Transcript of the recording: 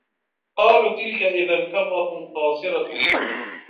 قَالُوا تِلْكَ إِذًا كَرَّةٌ خَاسِرَةٌ